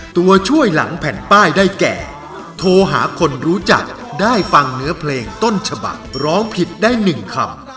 ตัวช่วยหลังแผ่นป้ายได้แก่โทรหาคนรู้จักได้ฟังเนื้อเพลงต้นฉบักร้องผิดได้๑คำ